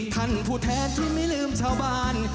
ท่านผู้แท้ที่ไม่ลืมชาวบ้าน